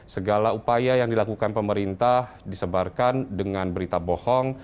segala upaya yang dilakukan pemerintah disebarkan dengan berita bohong